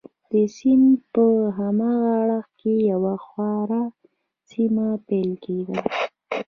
د سیند په هاغه اړخ کې یوه هواره سیمه پیل کېده.